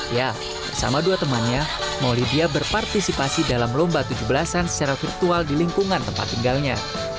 ya bersama dua temannya maulidia berpartisipasi dalam lomba tujuh belas an secara virtual di lingkungan tempat tinggalnya